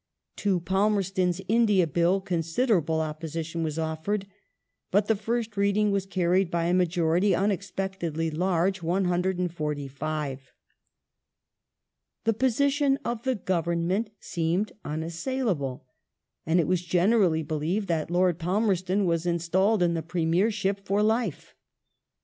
To Palmei ston's India Bill considerable opposition was offered, but the first reading was carried by a majority unexpectedly large (145). The position of the Govern ment seemed unassailable, and it was generally believed that Lord Palmerston was installed in the Premiership for life.